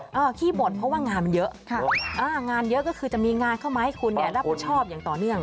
เหรออ่อขี้บ่นเพราะว่างานมันเยอะงานเยอะก็คือจะมีงานเข้ามาให้คุณรับประชอบอย่างต่อเนื่อง